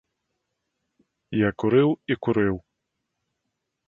Я курыў і курыў.